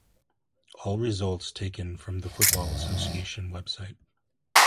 All results taken from The Football Association website.